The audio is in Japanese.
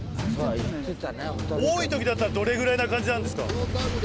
言ってたな多いときだったらどれぐらいな感じなんですか？